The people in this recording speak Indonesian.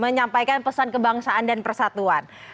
menyampaikan pesan kebangsaan dan persatuan